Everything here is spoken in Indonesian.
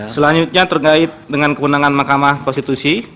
selanjutnya terkait dengan kewenangan mahkamah konstitusi